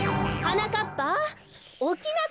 はなかっぱ！